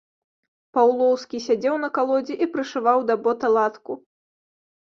Паўлоўскі сядзеў на калодзе і прышываў да бота латку.